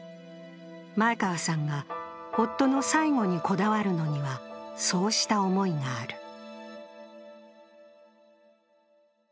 前川さんが夫の最後にこだわるのには、そうした思いがある。